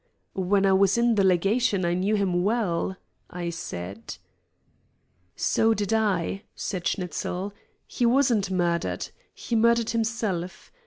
"When I was in the legation I knew him well," I said. "So did I," said Schnitzel. "He wasn't murdered. He murdered himself.